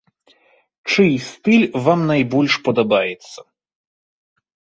Чый стыль вам найбольш падабаецца?